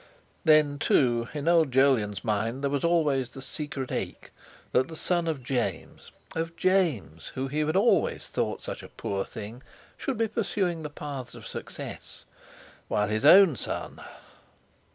Then, too, in old Jolyon's mind there was always the secret ache, that the son of James—of James, whom he had always thought such a poor thing, should be pursuing the paths of success, while his own son...!